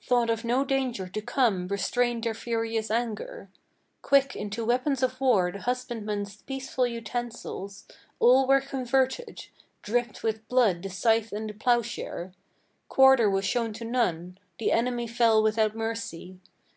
Thought of no danger to come restrained their furious anger. Quick into weapons of war the husbandman's peaceful utensils All were converted; dripped with blood the scythe and the ploughshare. Quarter was shown to none: the enemy fell without mercy.